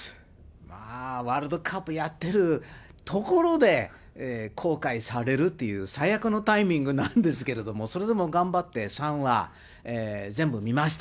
わあ、ワールドカップやってるところで公開されるという最悪のタイミングなんですけれども、それでも頑張って３話、全部見ました。